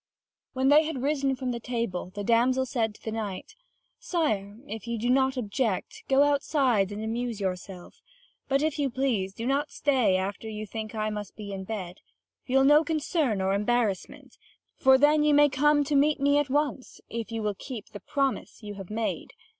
(Vv. 1043 1206.) When they had risen from the table, the damsel said to the knight: "Sire, if you do not object, go outside and amuse yourself; but, if you please, do not stay after you think I must be in bed. Feel no concern or embarrassment; for then you may come to me at once, if you will keep the promise you have made."